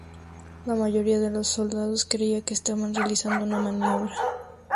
La mayoría de los soldados creía que estaban realizando una maniobra.